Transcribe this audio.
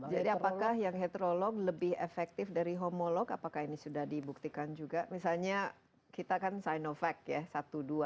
apakah yang heterolog lebih efektif dari homolog apakah ini sudah dibuktikan juga misalnya kita kan sinovac ya